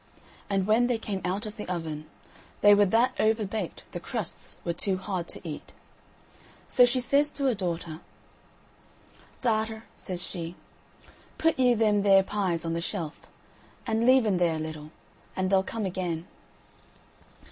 And when they came out of the oven, they were that overbaked the crusts were too hard to eat. So she says to her daughter: "Darter," says she, "put you them there pies on the shelf, and leave 'em there a little, and they'll come again."